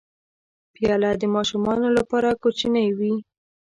پیاله د ماشومانو لپاره کوچنۍ وي.